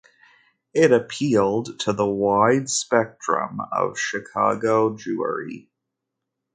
It appealed to the wide spectrum of Chicago Jewry.